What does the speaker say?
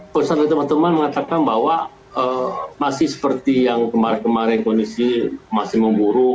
pesan dari teman teman mengatakan bahwa masih seperti yang kemarin kemarin kondisi masih memburuk